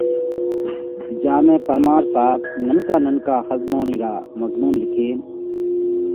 جيا ۾ پرمار صاحب ننڪا ننڪا ۿزموڻِي را مضمُونَ لکينَ